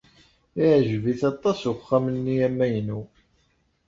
Yeɛjeb-it aṭas wexxam-nni amaynu.